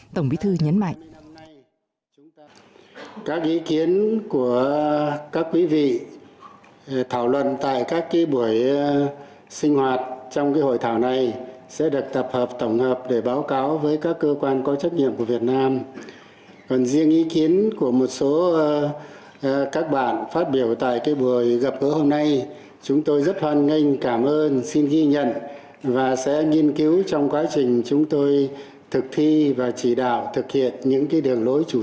tổng bí thư nguyễn phú trọng đã trực tiếp báo cáo với đồng chí tổng bí thư